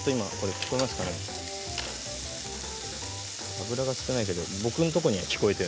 油が少ないけど僕のところには聞こえている。